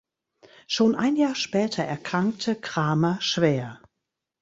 Schon ein Jahr später erkrankte Cramer schwer.